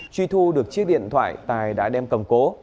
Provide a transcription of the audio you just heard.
truy thu được chiếc điện thoại tài đã đem cầm cố